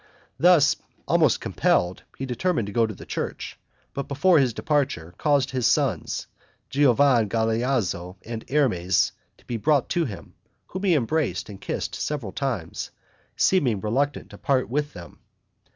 Thus, almost compelled, he determined to go to the church; but before his departure, caused his sons, Giovan Galeazzo and Ermes, to be brought to him, whom he embraced and kissed several times, seeming reluctant to part with them.